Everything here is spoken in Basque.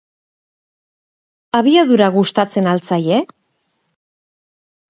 Abiadura gustatzen al zaie?